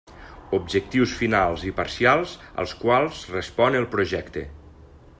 Objectius finals i parcials als quals respon el projecte.